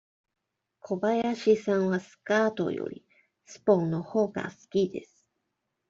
小林さんはスカートよりズボンのほうが好きです。